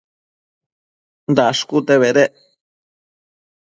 Dashcute bedec